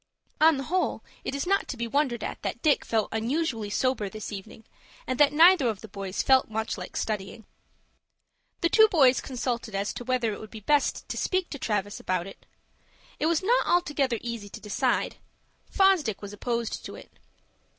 On the whole it is not to be wondered at that Dick felt unusually sober this evening, and that neither of the boys felt much like studying. The two boys consulted as to whether it would be best to speak to Travis about it. It was not altogether easy to decide. Fosdick was opposed to it.